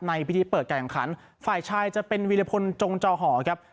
ในพิธีเปิดการแข่งขันฝ่ายชายจะเป็นวิรพลจงจอหอครับ